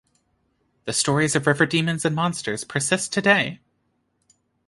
The stories of river demons and monsters persist today.